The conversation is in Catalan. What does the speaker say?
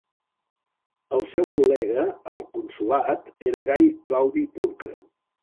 El seu col·lega al consolat era Gai Claudi Pulcre.